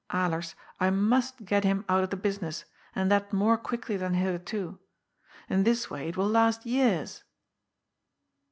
Alers, I must get him out of the business, and that more quickly than hitherto. In this way it will last years."